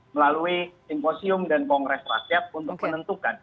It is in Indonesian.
melalui simposium dan kongres rakyat untuk menentukan